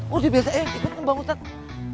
lu udah biasa ya ikutin bang ustadz